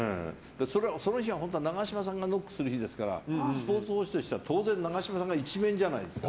その日は長嶋さんがノックする日ですからスポーツ報知としては長嶋さんが１面じゃないですか。